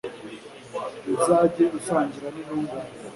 uzajye usangira n'intungane